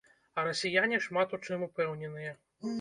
А расіяне шмат у чым упэўненыя.